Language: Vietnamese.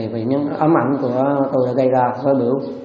vì những ấm ảnh của tôi đã gây ra với bữa